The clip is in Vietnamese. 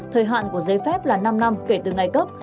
thời hạn của giấy phép là năm năm kể từ ngày cấp